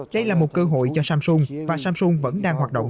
đây là một cơ hội cho samsung và samsung vẫn đang hoạt động